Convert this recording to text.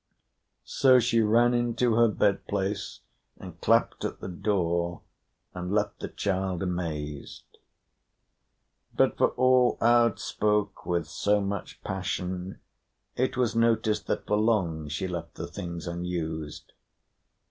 So she ran into her bed place, and clapped at the door, and left the child amazed. But for all Aud spoke with so much passion, it was noticed that for long she left the things unused.